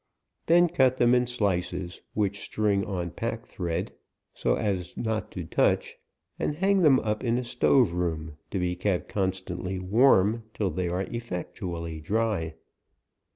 Then cut them in slices, which string on pack thread, so as not to touch, and hang them up in a stove room, to be kept constant ly warm, till they are effectually dry.